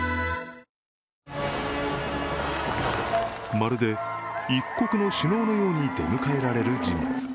まるで一国の首脳のように出迎えられる人物。